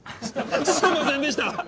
すいませんでした！